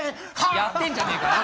やってんじゃねえかよ！